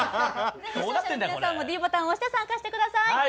視聴者の皆さんもｄボタンを押して参加してください。